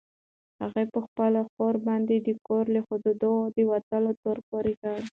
هغه په خپله خور باندې د کور له حدودو د وتلو تور پورې کړ.